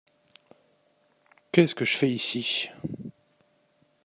Qu’est-ce que je fais ici?